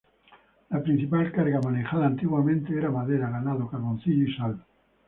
La principal carga manejada antiguamente era madera, ganado, carboncillo y sal.